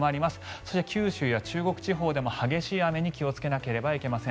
そして、九州や中国地方でも激しい雨に気をつけなければいけません。